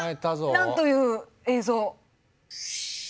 なんという映像！